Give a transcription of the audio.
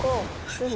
はい。